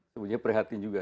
sebenarnya perhatian juga